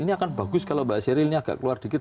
ini akan bagus kalau mbak sheryl ini agak keluar dikit